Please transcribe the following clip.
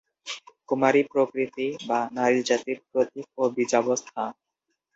কুমারী প্রকৃতি বা নারী জাতির প্রতীক ও বীজাবস্থা।